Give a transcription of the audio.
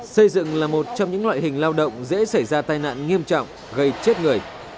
xây dựng là một trong những loại hình lao động dễ xảy ra tai nạn nghiêm trọng gây chết người